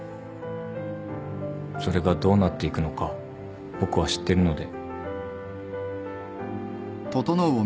それがどうなっていくのか僕は知ってるので。